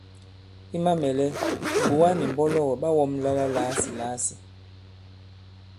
I mamɛ̀lɛ, kìɓòga nì mbɔlɔgɔ̀ ɓa wɔ̄mla la làasìlàasì.